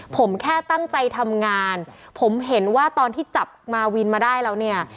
ผมแค่ตั้งใจทำงานผมเห็นว่าตอนที่จับมาวินมาได้แล้วเนี่ย